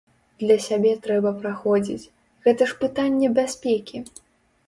Для сябе трэба праходзіць, гэта ж пытанне бяспекі.